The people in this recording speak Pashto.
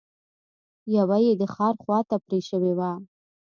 يوه يې د ښار خواته پرې شوې وه.